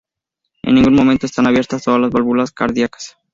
En ningún momento están abiertas todas las válvulas cardiacas.